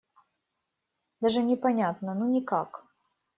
Даже не понятно: ну, никак.